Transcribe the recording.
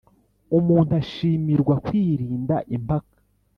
umuntu ashimirwa kwirinda impaka